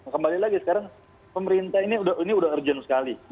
kembali lagi sekarang pemerintah ini sudah urgent sekali